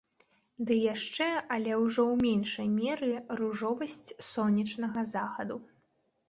Ды яшчэ, але ўжо ў меншай меры, ружовасць сонечнага захаду.